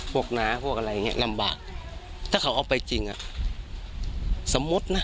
น้าพวกอะไรอย่างเงี้ลำบากถ้าเขาเอาไปจริงอ่ะสมมุตินะ